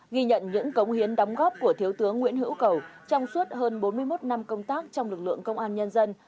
ghi nhận những cống hiến đóng góp của thiếu tướng nguyễn hữu cầu trong suốt hơn bốn mươi một năm công tác trong lực lượng công an nhân dân